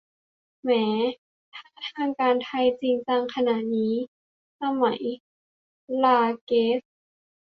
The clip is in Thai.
แหม ถ้าทางการไทยจริงจังขนาดนี้ สมัย ราเกซ